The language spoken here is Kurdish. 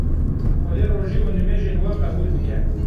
Xwedê rojî û nimêjên we qebûl bike.